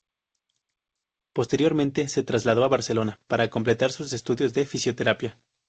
Posteriormente se trasladó a Barcelona para completar sus estudios de Fisioterapia.